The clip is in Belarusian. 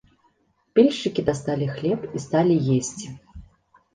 Пільшчыкі дасталі хлеб і сталі есці.